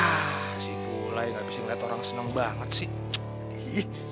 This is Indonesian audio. ya si pulai gak bisa ngeliat orang seneng banget sih